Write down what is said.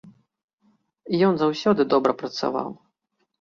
І ён заўсёды добра працаваў.